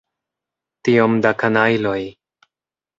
Tiom da kanajloj!